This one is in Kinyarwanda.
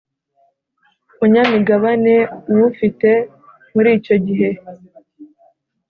munyamigabane uwufite muri icyo gihe